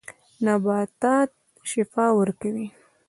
نباتات شفاء ورکوي.